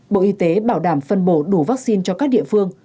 bộ y tế bảo đảm phân bổ đủ vaccine cho các địa phương